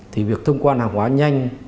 thì việc thông quan hàng hóa nhanh